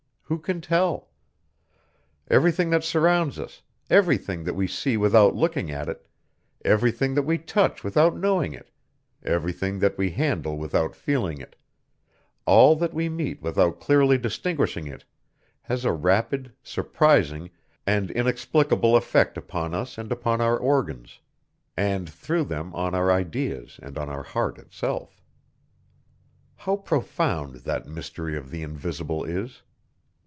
Who can tell? Everything that surrounds us, everything that we see without looking at it, everything that we touch without knowing it, everything that we handle without feeling it, all that we meet without clearly distinguishing it, has a rapid, surprising and inexplicable effect upon us and upon our organs, and through them on our ideas and on our heart itself. How profound that mystery of the Invisible is!